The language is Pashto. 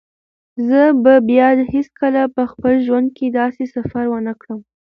زه به بیا هیڅکله په خپل ژوند کې داسې سفر ونه کړم.